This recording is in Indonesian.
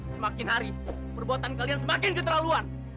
semakin hari perbuatan kalian semakin keterlaluan